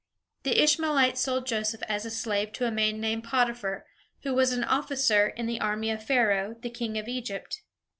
The Ishmaelites sold Joseph as a slave to a man named Potiphar, who was an officer in the army of Pharaoh, the king of Egypt.